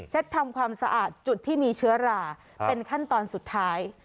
ทำความสะอาดจุดที่มีเชื้อราเป็นขั้นตอนสุดท้าย